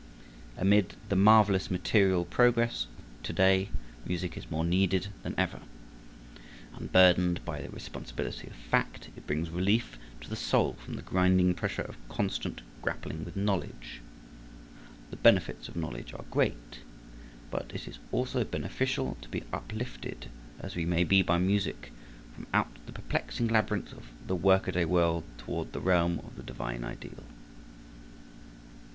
Amid the marvelous material progress of to day music is more needed than ever. Unburdened by the responsibility of fact, it brings relief to the soul from the grinding pressure of constant grappling with knowledge. The benefits of knowledge are great, but it is also beneficial to be uplifted, as we may be by music, from out the perplexing labyrinth of the work a day world toward the realm of the Divine Ideal.